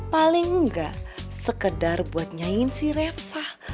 paling enggak sekedar buat nyain si reva